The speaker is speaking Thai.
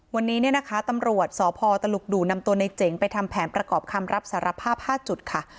วันนี้เนี่ยนะคะตำรวจสพตลุกดูนำตัวในเจ๋งไปทำแผนประกอบคำรับสารภาพ๕จุดค่ะ